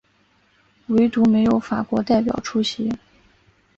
惟独没有法国代表出席。